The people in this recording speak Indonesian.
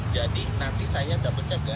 jadi nanti saya dapat cek ya